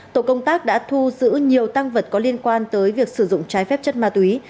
tổ công tác đã thu giữ nhiều tăng vật có liên quan tới việc sử dụng trái phép chất ma túy